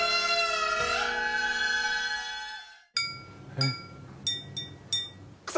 えっ？